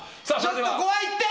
ちょっと怖いって！